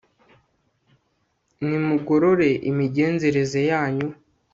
nimugorore imigenzereze yanyu